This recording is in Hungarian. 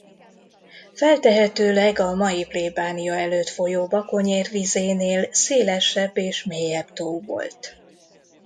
Feltehetőleg a mai plébánia előtt folyó Bakony-ér vízénél szélesebb és mélyebb tó volt.